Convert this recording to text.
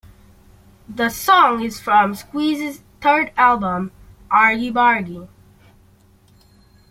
The song is from Squeeze's third album, "Argybargy".